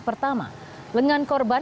pertama lengan korban